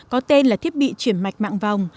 có tên là thiết bị chuyển mạch mạng vòng